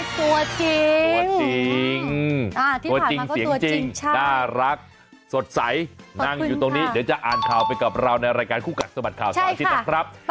ตัวจริงสัตว์สัยนั่งอยู่ตรงนี้เดี๋ยวจะอ่านข่าวไปกับเราในรายการสมัสข่าวสวัสดิตนะครับ